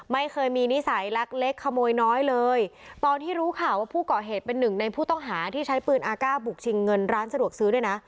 ไม่เคยมีนิสัยลักเล็กขโมยน้อยเลยตอนที่รู้ข่าวว่าผู้ก่อเหตุเป็นหนึ่งในผู้ต้องหาที่ใช้ปืนอากาศบุกชิงเงินร้านสะดวกซื้อด้วยนะ